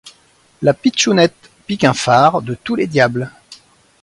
La pitchounette pique un fard de tous les diables.